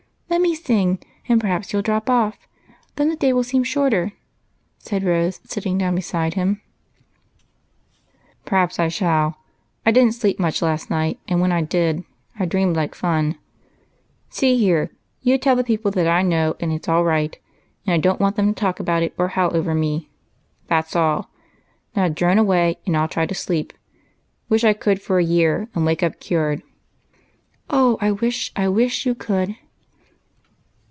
" Let me sing, and perhaps you '11 drop off ; then the day will seem shorter," said Rose, taking up a fan and sitting down beside him. "Perhaps I shall; I didn't sleep much last night, and when I did I dreamed like fun. See here, you tell the people that I know, and it's all right, and 128 EIGHT COUSINS. I don't want them to talk about it or howl over me. That 's all ; now drone away, and I '11 try to sleep. Wish I could for a year, and wake ujd cured." " Oh, I wish, I wish you could